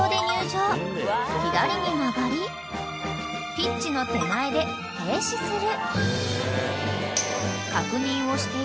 ［左に曲がりピッチの手前で停止する］